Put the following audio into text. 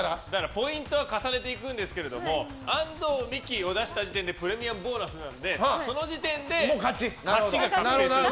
ポイントは重ねていくんですけども安藤美姫を出した時点でプレミアムボーナスなのでその時点で勝ちが確定します。